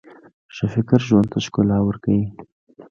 ښه فکر ژوند ته ښکلا ورکوي.